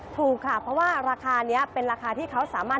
ถูกค่ะเพราะว่าราคานี้เป็นราคาที่เขาสามารถ